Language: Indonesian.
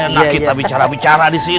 nah kita bicara bicara disini